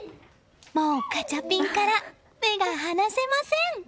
もうガチャピンから目が離せません！